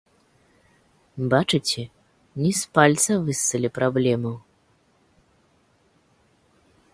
Бачыце, не з пальца выссалі праблему!